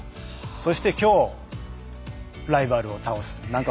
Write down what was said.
そしてきょうライバルを倒す。